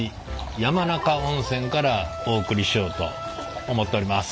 山中温泉からお送りしようと思っております。